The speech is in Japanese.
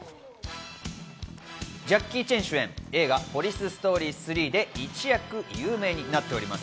ジャッキー・チェン主演映画『ポリス・ストーリー３』で一躍有名になっております。